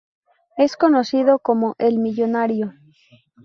Es conocido como "El Millonario".